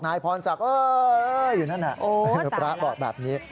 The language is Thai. นายพรศักดิ์อยู่นั่นน่ะพระบอกแบบนี้